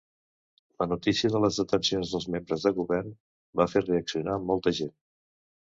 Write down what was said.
La notícia de les detencions de membres del govern va fer reaccionar molta gent.